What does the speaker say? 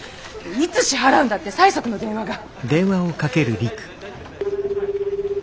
いつ支払うんだって催促の電話が。